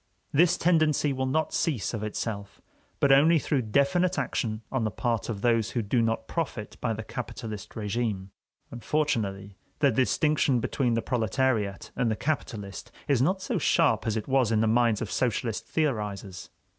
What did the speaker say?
This tendency will not cease of itself, but only through definite action on the part of those who do not profit by the capitalist régime. Unfortunately the distinction between the proletariat and the capitalist is not so sharp as it was in the minds of socialist theorizers.